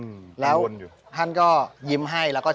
ชื่องนี้ชื่องนี้ชื่องนี้ชื่องนี้ชื่องนี้